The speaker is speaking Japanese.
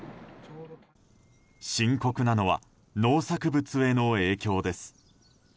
深刻なのは農作物への影響です。